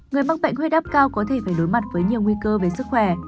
người mắc bệnh huyết áp cao có thể phải đối mặt với nhiều nguy cơ về sức khỏe